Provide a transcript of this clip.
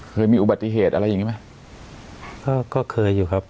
เคยมีอุบัติเหตุอะไรอย่างนี้ไหมก็ก็เคยอยู่ครับ